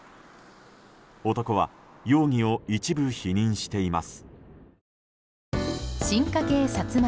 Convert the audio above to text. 男は容疑を一部否認しています。